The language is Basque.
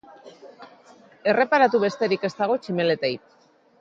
Erreparatu besterik ez dago tximeletei.